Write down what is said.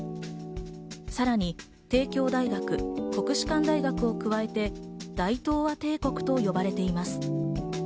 さらに帝京大学、国士舘大学を加えて、大東亜帝国と呼ばれています。